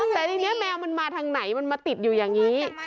แต่ทีนี้แมวมันมาทางไหนมันมาติดอยู่อย่างนี้